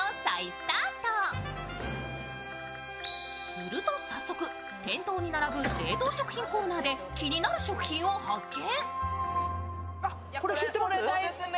すると早速、店頭に並ぶ冷凍食品コーナーで気になる食品を発見。